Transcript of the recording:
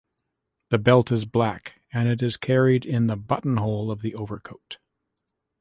The belt is black, and it is carried in the buttonhole of the overcoat.